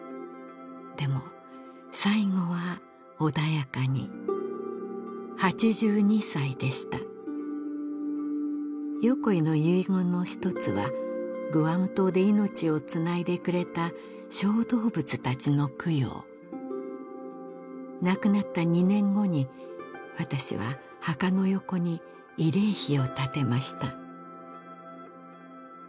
でも最期は穏やかに８２歳でした横井の遺言の一つはグアム島で命をつないでくれた小動物たちの供養亡くなった２年後に私は墓の横に慰霊碑を建てました